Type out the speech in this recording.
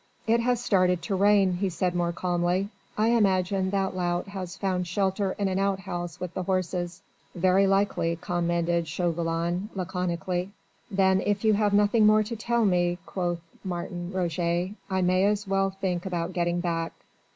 "It has started to rain," he said more calmly. "I imagine that lout has found shelter in an outhouse with the horses." "Very likely," commented Chauvelin laconically. "Then if you have nothing more to tell me," quoth Martin Roget, "I may as well think about getting back.